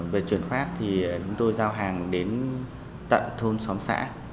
về truyền pháp chúng tôi giao hàng đến tận thôn xóm xã